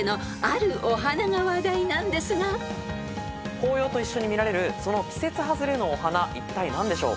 紅葉と一緒に見られるその季節外れのお花いったい何でしょう？